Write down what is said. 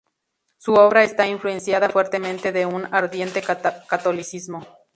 Su obra está influenciada fuertemente de un ardiente catolicismo.